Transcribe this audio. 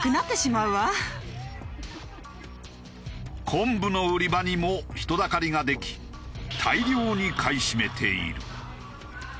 昆布の売り場にも人だかりができ大量に買い占めている。